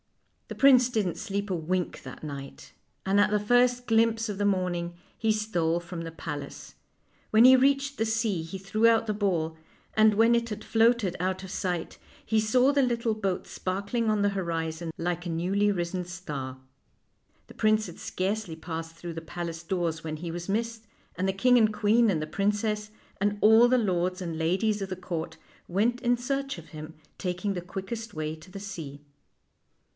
The prince didn't sleep a wink that night, and at the first glimpse of the morning he stole from the palace. When he reached the sea he threw out the ball, and when it had floated out of sight, he saw the little boat sparkling on the horizon like a newly risen star. The prince had scarcely passed through the palace doors when he was missed, and the king and queen and the princess, and all the lords and ladies of the court, went in search of him, taking the quickest way to the sea.